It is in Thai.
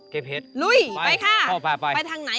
เก็บเห็ดลุยไปค่ะไปทางไหนอะพ่อไปทางนี้